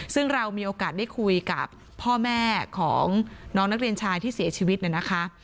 ซึ่งเรามีโอกาสได้คุยกับพ่อแม่ของน้องนักเรียนชายที่เสียชีวิตเนี่ยนะคะ